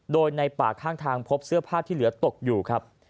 โดยในป่าข้างทางพบเสื้อผ้าที่เหลือตกอยู่ครับ